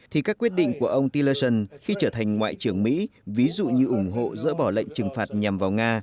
thì các quyết định của ông tillerson khi trở thành ngoại trưởng mỹ ví dụ như ủng hộ dỡ bỏ lệnh trừng phạt nhằm vào nga